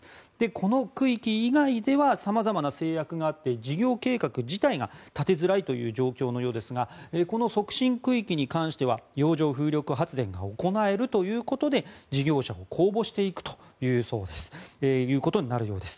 この区域以外ではさまざまな制約があって事業計画自体が立てづらい状況のようですがこの促進区域に関しては洋上風力発電が行えるということで事業者を公募していくことになるようです。